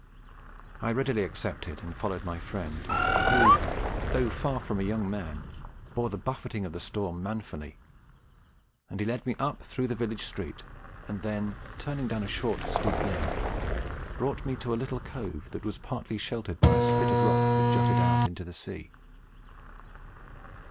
I readily accepted and followed my friend, who, though far from a young man, bore the buffeting of the storm manfully; and he led me up through the village street, and then turning down a short steep lane brought me to a little cove that was partly sheltered by a spit of rock that jutted out into the sea.